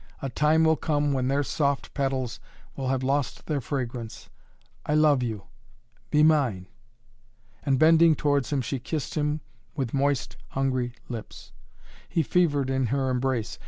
A time will come when their soft petals will have lost their fragrance! I love you be mine!" And, bending towards him, she kissed him with moist, hungry lips. He fevered in her embrace.